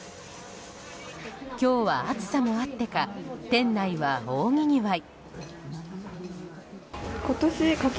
今日は暑さもあってか店内は大にぎわい。